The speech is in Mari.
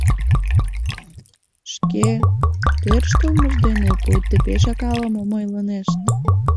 Шке тӧрштылмышт дене пуйто пешак ала-мом ойлынешт.